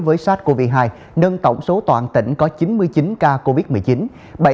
với sars cov hai nâng tổng số toàn tỉnh có chín mươi chín ca covid một mươi chín